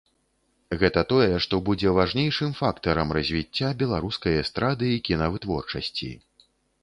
Гэта тое, што будзе важнейшым фактарам развіцця беларускай эстрады і кінавытворчасці.